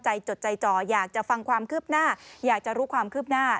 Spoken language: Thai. จดใจจ่ออยากจะฟังความคืบหน้าอยากจะรู้ความคืบหน้า